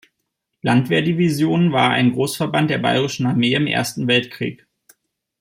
Landwehr-Division war ein Großverband der Bayerischen Armee im Ersten Weltkrieg.